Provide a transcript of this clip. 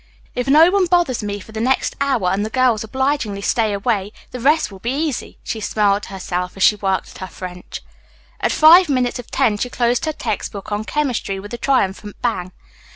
"If no one bothers me for the next hour and the girls obligingly stay away, the rest will be easy," she smiled to herself as she worked at her French. At five minutes of ten she closed her text book on chemistry with a triumphant bang.